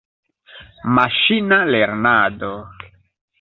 Maŝina lernado.